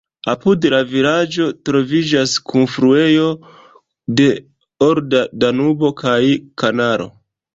Apud la vilaĝo troviĝas kunfluejo de olda Danubo kaj kanalo.